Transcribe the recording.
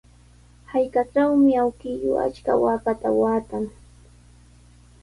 Hallqatrawmi awkilluu achka waakata waatan.